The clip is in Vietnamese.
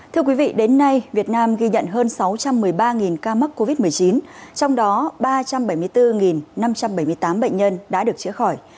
thưa quý vị đến nay việt nam ghi nhận hơn sáu trăm một mươi ba ca mắc covid một mươi chín trong đó ba trăm bảy mươi bốn năm trăm bảy mươi tám bệnh nhân đã được chữa khỏi